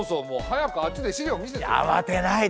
早くあっちで資料見せてよ。